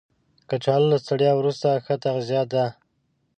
کچالو له ستړیا وروسته ښه تغذیه ده